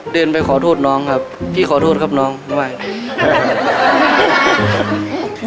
เดินไปขอโทษน้องครับพี่ขอโทษครับน้องด้วย